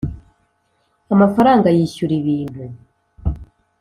Amafaranga yishyura ibintu